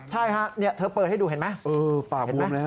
ใช่ค่ะเธอเปิดให้ดูเห็นไหม